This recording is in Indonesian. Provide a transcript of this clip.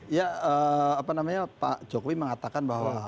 ya apa namanya pak jokowi mengatakan bahwa